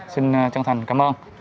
xin chân thành cảm ơn